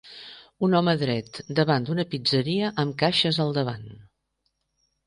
Un home dret davant d'una pizzeria amb caixes al davant.